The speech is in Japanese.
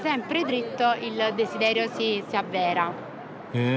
へえ。